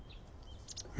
え？